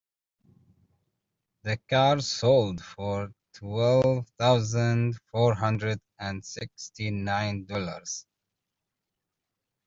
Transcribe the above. The car sold for twelve thousand four hundred and sixty nine dollars.